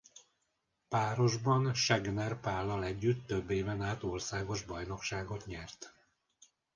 Párosban Segner Pállal együtt több éven át országos bajnokságot nyert.